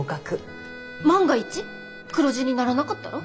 万が一黒字にならなかったら？